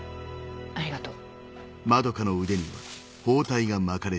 ありがとう。